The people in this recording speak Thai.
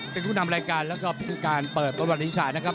เป็นผู้นำรายการแล้วก็ผู้การเปิดประวัติศาสตร์นะครับ